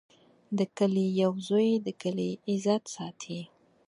د کلي یو زوی د کلي عزت ساتي.